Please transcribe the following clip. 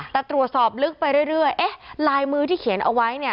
แต่ตรวจสอบลึกไปเรื่อยเอ๊ะลายมือที่เขียนเอาไว้เนี่ย